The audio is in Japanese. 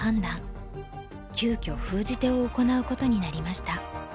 急遽封じ手を行うことになりました。